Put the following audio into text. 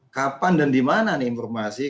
kapan dan di mana informasi ini